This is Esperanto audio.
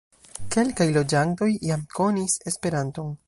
Kelkaj loĝantoj jam konis Esperanton.